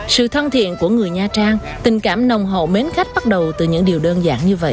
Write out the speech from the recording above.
sự thân thiện của người nha trang tình cảm nồng hậu mến khách bắt đầu từ những điều đơn giản như vậy